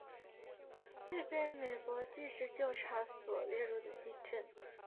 未被美国地质调查所列入的地震